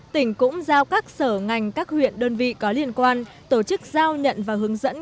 tỉnh cũng giao các sở ngành các huyện đơn vị có liên quan tổ chức giao nhận và hướng dẫn